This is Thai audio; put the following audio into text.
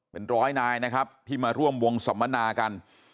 เป็นร้อยนายนะครับที่มาร่วมวงสัมมนากัน